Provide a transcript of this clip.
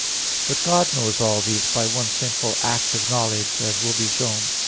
But God knows all these by one simple act of knowledge, as will be shown (A.